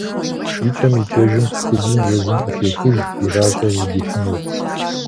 Икӏэм-икӏэжым цӏыхубзым езым къыхехыж и гъащӏэр зыдихьынур.